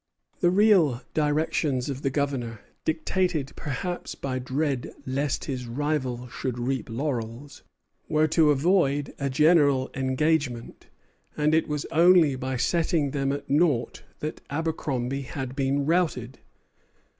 The real directions of the Governor, dictated, perhaps, by dread lest his rival should reap laurels, were to avoid a general engagement; and it was only by setting them at nought that Abercromby had been routed.